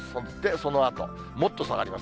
そのあともっと下がります。